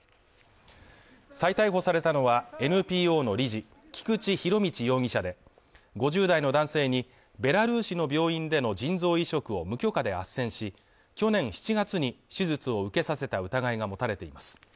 再逮捕されたのは、ＮＰＯの理事菊池仁達容疑者で５０代の男性にベラルーシの病院での腎臓移植を無許可であっせんし、去年７月に手術を受けさせた疑いが持たれています。